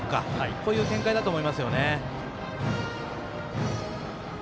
こういう展開だと思いますよね。